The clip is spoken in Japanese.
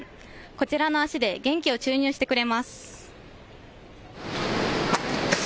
こちらの足で元気を注入してくれます。